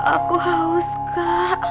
aku haus kak